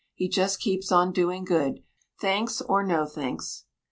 He just keeps on doing good, thanks or no thanks.